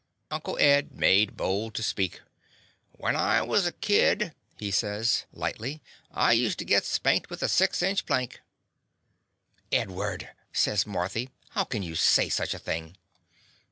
Uncle Ed made bold to speak. "When I was a kid/' he says, lightly, "I used to git spanked with a six inch plank." ''Edward!'* says Marthy. "How can you say such a thing?"